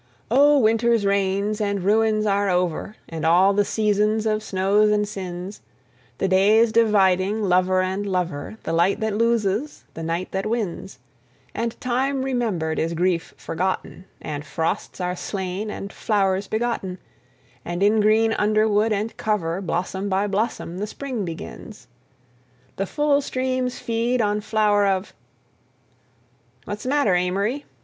"Oh, winter's rains and ruins are over, And all the seasons of snows and sins; The days dividing lover and lover, The light that loses, the night that wins; And time remembered is grief forgotten, And frosts are slain and flowers begotten, And in green underwood and cover, Blossom by blossom the spring begins. "The full streams feed on flower of—" "What's the matter, Amory?